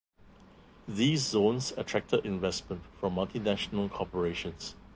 These zones attracted investment from multinational corporations.